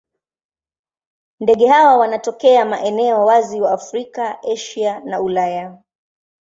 Ndege hawa wanatokea maeneo wazi wa Afrika, Asia na Ulaya.